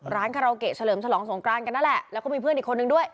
คาราโอเกะเฉลิมฉลองสงกรานกันนั่นแหละแล้วก็มีเพื่อนอีกคนนึงด้วย